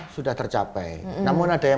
sudah tercapai namun ada yang